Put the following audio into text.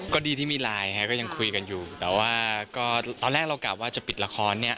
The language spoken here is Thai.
ก็ดีที่มีไลน์ก็ยังคุยกันอยู่แต่ว่าก็ตอนแรกเรากลับว่าจะปิดละครเนี่ย